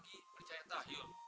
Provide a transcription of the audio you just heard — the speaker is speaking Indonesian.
ibu lagi percaya tahil